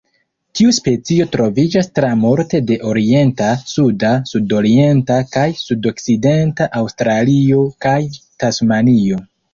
Tiu specio troviĝas tra multe de orienta, suda, sudorienta kaj sudokcidenta Aŭstralio kaj Tasmanio.